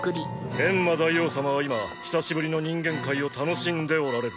エンマ大王様は今久しぶりの人間界を楽しんでおられる。